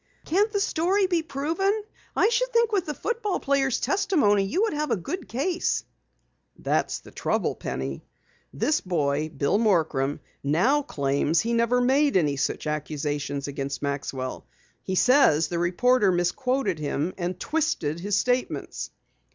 "Can't the story be proven? I should think with the football player's testimony you would have a good case." "That's the trouble, Penny. This boy, Bill Morcrum, now claims he never made any such accusation against Maxwell. He says the reporter misquoted him and twisted his statements."